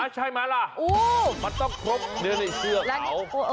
ใช่ไหมล่ะมันต้องครบเนื้อในเสื้อเขา